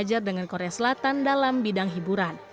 ini terjajar dengan korea selatan dalam bidang hiburan